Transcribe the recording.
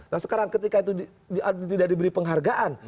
nah sekarang ketika itu tidak diberi penghargaan